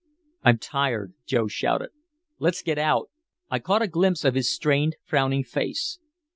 "I'm tired!" Joe shouted. "Let's get out!" I caught a glimpse of his strained, frowning face.